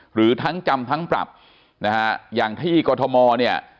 หรือทั้งจำทั้งปรับนะฮะอย่างที่กรทมเนี่ย